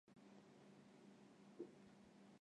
越南语语法为基于越南语之语法。